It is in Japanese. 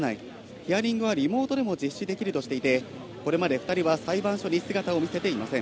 ヒアリングはリモートでも実施できるとしていて、これまで２人は裁判所に姿を見せていません。